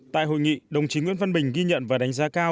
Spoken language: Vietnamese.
tại hội nghị đồng chí nguyễn văn bình ghi nhận và đánh giá cao